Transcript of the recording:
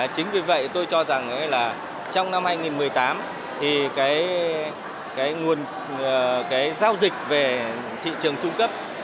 chính vì vậy tôi cho rằng trong năm hai nghìn một mươi tám thì nguồn giao dịch về thị trường trung cấp